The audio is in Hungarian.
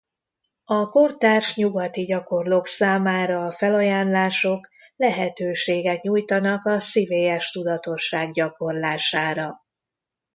A kortárs nyugati gyakorlók számára a felajánlások lehetőséget nyújtanak a szívélyes tudatosság gyakorlására.